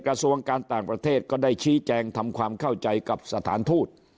กระทรวงการต่างประเทศก็ได้ชี้แจงทำความเข้าใจกับสถานทูต